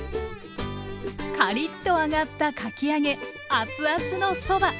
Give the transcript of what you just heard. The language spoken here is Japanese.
カリッと揚がったかき揚げ熱々のそば。